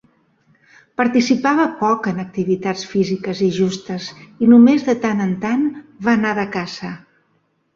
Participava poc en activitats físiques i justes, i només de tant en tant va anar de caça